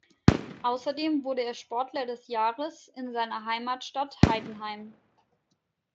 Außerdem wurde er Sportler des Jahres in seiner Heimatstadt Heidenheim.